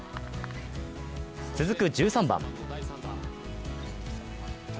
続く１３番。